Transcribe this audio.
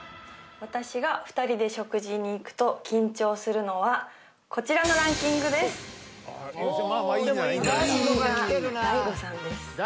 私が２人で食事に行くと緊張するのはこちらのランキングです。